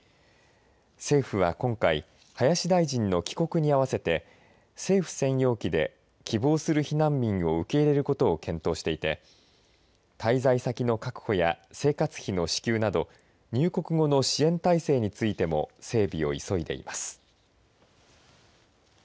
政府は今回林大臣の帰国にあわせて政府専用機で希望する避難民を受け入れることを検討していて滞在先の確保や生活費の支給など入国後の支援体制についても整備を急いでいます。